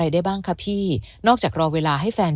ได้บ้างคะพี่นอกจากรอเวลาให้แฟน